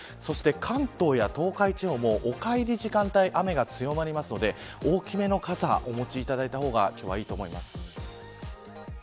関東や東海地方もお帰りの時間帯雨が強まりますので大きめの傘をお持ちいただいた方が今日はいいと思います。